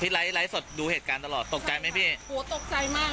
ไลฟ์ไลฟ์สดดูเหตุการณ์ตลอดตกใจไหมพี่โหตกใจมาก